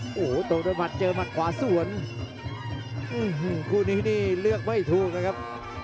โอ้โหตกโดนมัดเจอมัดขวาส่วนอื้อหือคู่นี้นี่เลือกไม่ถูกนะครับ